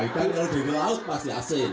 kan kalau di laut pasti asin